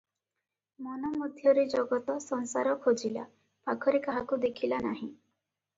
ମନ ମଧ୍ୟରେ ଜଗତ ସଂସାର ଖୋଜିଲା, ପାଖରେ କାହାକୁ ଦେଖିଲା ନାହିଁ ।